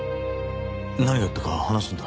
何があったか話すんだ。